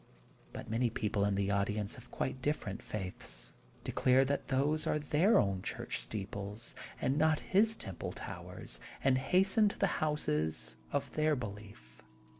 But many people in the audience of quite different faiths declare that those are their own church steeples and not his temple towers, and hasten to the houses of their belief.